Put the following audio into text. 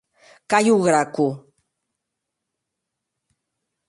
Cayo Graco.